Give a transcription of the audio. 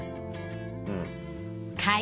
うん。